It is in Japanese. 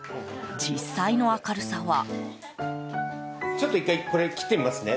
実際の明るさは。